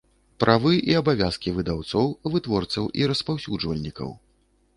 Правы i абавязкi выдаўцоў, вытворцаў i распаўсюджвальнiкаў